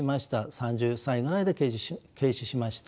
３０歳ぐらいで刑死しました。